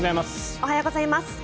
おはようございます。